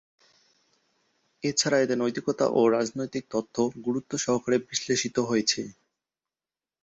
এছাড়া এতে নৈতিকতা ও রাজনৈতিক তত্ত্ব গুরুত্ব সহকারে বিশ্লেষিত হয়েছে।